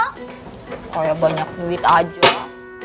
kayak banyak duit aja